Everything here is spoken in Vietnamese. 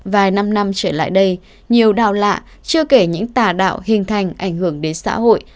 vài năm năm trở lại đây nhiều đào lạ chưa kể những tà đạo hình thành ảnh hưởng đến xã hội